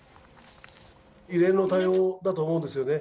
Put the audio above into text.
異例の対応だと思うんですよね。